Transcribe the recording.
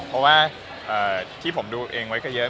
เพราะว่าที่ผมดูเองไว้ก็เยอะ